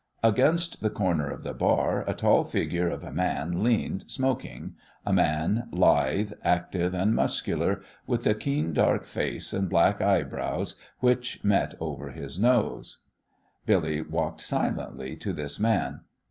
Against the corner of the bar a tall figure of a man leaned smoking a man lithe, active, and muscular, with a keen dark face, and black eyebrows which met over his nose. Billy walked silently to this man.